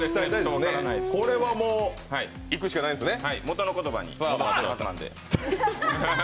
これはもういくしかないですね。